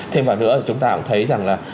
thêm vào nữa chúng ta cũng thấy rằng là